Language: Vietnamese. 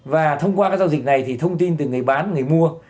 và thông qua các giao dịch này thì thông tin từ người bán người mua